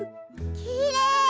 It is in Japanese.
きれい！